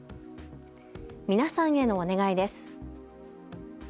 皆さんへのお願いです。